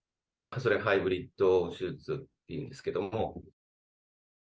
ハイブリッド手術というんですけども。